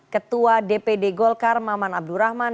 ketua dpd golkar maman abdurrahman